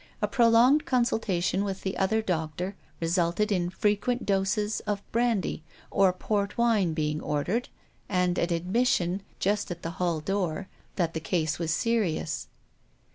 A prolonged consultation with the other doc ALISON ARRANGES A MATCH. 263 tor resulted in frequent doses of brandy or port wine being ordered, aad an admission, just at the hall door, that the case was serious.